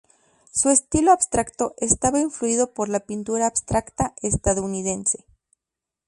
Su estilo abstracto estaba influido por la pintura abstracta estadounidense.